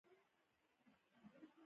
بودا سره نژدې یو مکتب ته ورغلم.